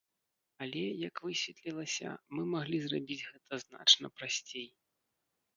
Але, як высветлілася, мы маглі зрабіць гэта значна прасцей.